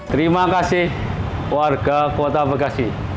terima kasih warga kota bekasi